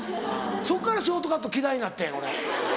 そっからショートカット嫌いになってん俺。